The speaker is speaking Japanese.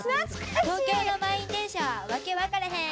「東京の満員電車は訳わからへん！！